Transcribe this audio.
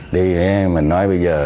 đi mình nói bây giờ